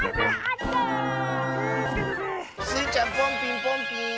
スイちゃんポンピンポンピーン！